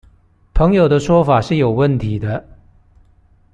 朋友的說法是有問題的